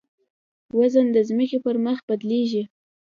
وزن د ځمکې پر مخ بدلېږي.